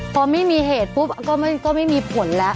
พอไม่มีเหตุปุ๊บก็ไม่มีผลแล้ว